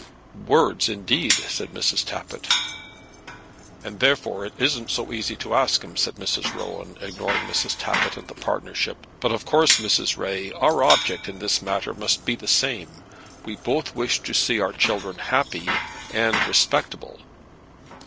"Words indeed!" said Mrs. Tappitt. "And therefore it isn't so easy to ask him," said Mrs. Rowan, ignoring Mrs. Tappitt and the partnership. "But of course, Mrs. Ray, our object in this matter must be the same. We both wish to see our children happy and respectable."